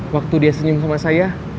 waktu dia senyum sama saya